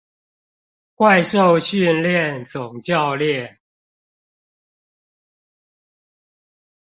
怪獸訓練總教練